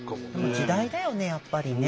時代だよねやっぱりね。